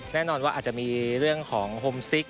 แน่นอนว่าอาจจะมีเรื่องของโฮมซิก